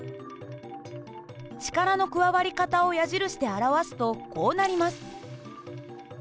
力の加わり方を矢印で表すとこうなります。